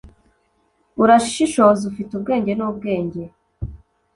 urashishoza, ufite ubwenge, nubwenge,